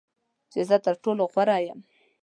چې زه تر ټولو غوره یم .